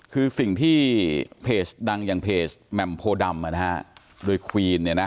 คือสิ่งที่เพจดังอย่างเพจแหม่มโพดำโดยควีนเนี่ยนะ